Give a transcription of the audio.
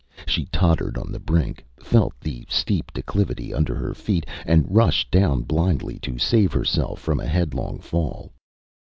She tottered on the brink, felt the steep declivity under her feet, and rushed down blindly to save herself from a headlong fall.